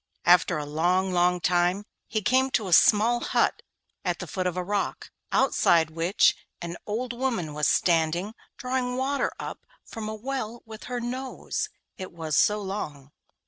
After a long, long time he came to a small hut at the foot of a rock, outside which an old woman was standing drawing water up from a well with her nose, it was so long.